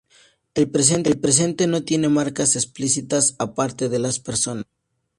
El presente no tiene marcas explícitas a parte de las de persona.